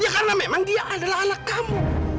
ya karena memang dia adalah anak kamu